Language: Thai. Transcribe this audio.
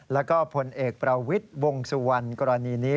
และก็ผลเอกประวิทธิ์เบื้องสุวรรณกรณีนี้